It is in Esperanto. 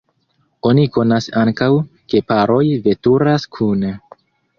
Oni konas ankaŭ, ke paroj veturas kune.